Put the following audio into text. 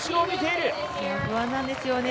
不安なんですよね